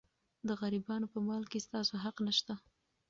د غریبانو په مال کې ستاسو حق نشته.